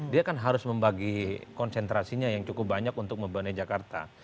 dia kan harus membagi konsentrasinya yang cukup banyak untuk membenahi jakarta